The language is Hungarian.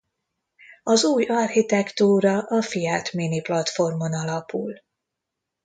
Az új architektúra a Fiat Mini platformon alapul.